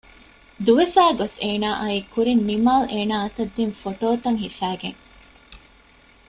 ދުވެފައި ގޮސް އޭނާ އައީ ކުރިން ނިމާލް އޭނާ އަތަށް ދިން ފޮޓޯތައް ހިފައިގެން